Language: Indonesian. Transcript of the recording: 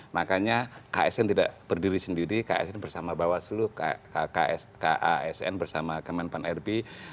makanya ksn tidak berdiri sendiri ksn bersama bawaslu kasn bersama kemenpan rb